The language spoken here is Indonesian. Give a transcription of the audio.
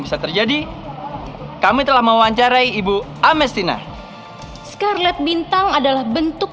bisa terjadi kami telah mewawancarai ibu amestina skarlet bintang adalah bentuk